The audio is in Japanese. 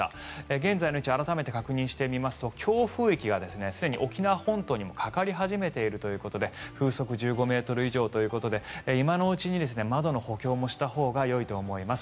現在の位置を改めて確認してみますと強風域がすでに沖縄本島にもかかり始めているということで風速１５ｍ以上ということで今のうちに窓の補強もしたほうがよいと思います。